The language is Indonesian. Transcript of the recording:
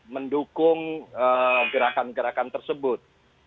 mendukung gerakan gerakan tersebut